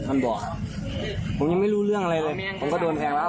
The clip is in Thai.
บอกครับผมยังไม่รู้เรื่องอะไรเลยผมก็โดนแทงแล้ว